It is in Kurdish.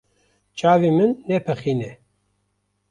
Çavên min nepixîne.